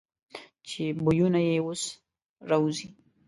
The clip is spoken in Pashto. چې بویونه یې اوس را وځي.